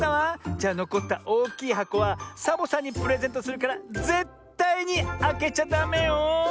じゃのこったおおきいはこはサボさんにプレゼントするからぜったいにあけちゃダメよ。